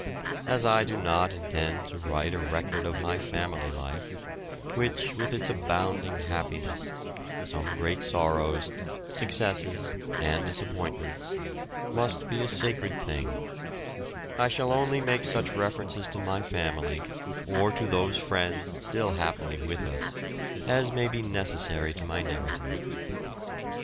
As I do not intend to write a record of my family life, which with its abounding happiness some great sorrows successes and disappointments must be a sacred thing, I shall only make such references to my family, or to those friends still happily with us, as may be necessary to my narrative.